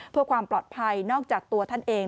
เพื่อความปลอดภัยนอกจากตัวท่านเอง